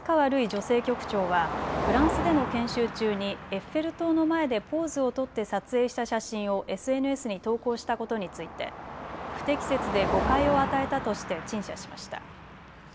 女性局長はフランスでの研修中にエッフェル塔の前でポーズを取って撮影した写真をＳＮＳに投稿したことについて不適切で誤解を与えたとして陳謝しました。